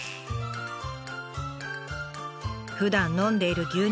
ふだん飲んでいる牛乳